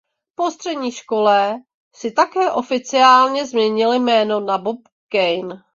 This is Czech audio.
Po střední škole si také oficiálně změnil jméno na Bob Kane.